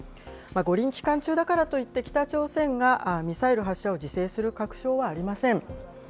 五輪期間中だからといって、北朝鮮がミサイル発射を自制する確証はありません。